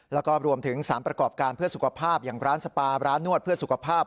แล้วก็รวมถึงสารประกอบการเพื่อสุขภาพอย่างร้านสปาร้านนวดเพื่อสุขภาพ